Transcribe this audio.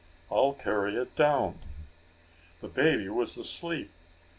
I'll carry it down." The baby was asleep.